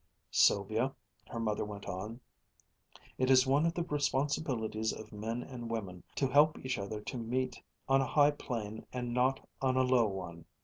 "Sylvia," her mother went on, "it is one of the responsibilities of men and women to help each other to meet on a high plane and not on a low one.